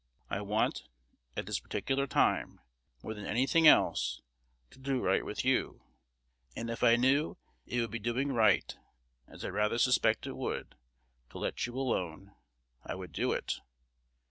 I want, at this particular time, more than any thing else, to do right with you: and if I knew it would be doing right, as I rather suspect it would, to let you alone, I would do it.